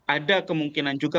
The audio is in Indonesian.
ada kemungkinan juga